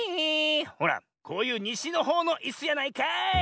ほらこういうにしのほうのいすやないかい！